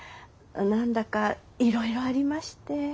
何だかいろいろありまして。